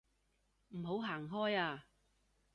唔好行開啊